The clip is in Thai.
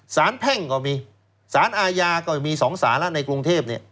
ศาลแพ่งก็มีศาลอาญาก็มี๒ศาลแล้วในกรุงเทพฯ